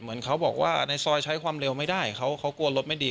เหมือนเขาบอกว่าในซอยใช้ความเร็วไม่ได้เขากลัวรถไม่ดี